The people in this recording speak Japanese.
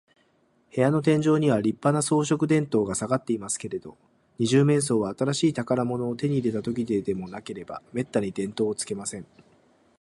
部屋の天井には、りっぱな装飾電燈がさがっていますけれど、二十面相は、新しい宝物を手に入れたときででもなければ、めったに電燈をつけません。